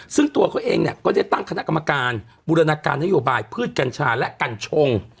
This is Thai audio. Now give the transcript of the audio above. ซึ่งตัวเขาเองเนี่ยก็ได้ตั้งคณะกรรมการบูรณาการนโยบายพืชกัญชาและกัญชง